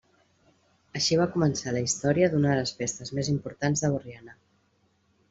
Així va començar la història d'una de les festes més importants de Borriana.